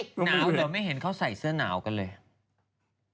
หนาวเหรอไม่เห็นเขาใส่เสื้อหนาวกันเลย